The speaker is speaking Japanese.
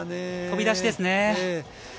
飛び出しですね。